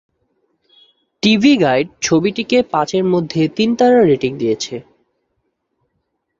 TV guide ছবিটিকে পাঁচের মধ্যে তিন তারা রেটিং দিয়েছে।